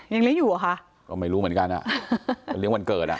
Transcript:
เลี้ยงอยู่เหรอคะก็ไม่รู้เหมือนกันอ่ะไปเลี้ยงวันเกิดอ่ะ